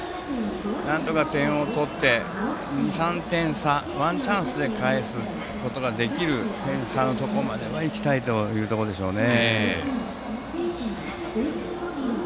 なんとか点を取って２３点差、ワンチャンスで返すことができる点差までは行きたいところですね。